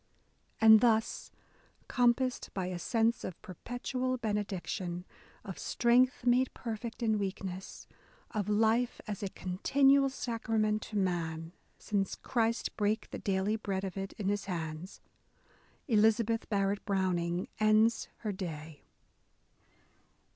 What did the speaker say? And thus, compassed by a sense of perpetual benediction, of strength made perfect in weak ness, of life as *' a continual sacrament to man, since Christ brake the daily bread of it in His hands," — Elizabeth Barrett Browning ends her day.